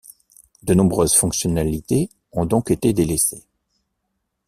De nombreuses fonctionnalités ont donc été délaissées.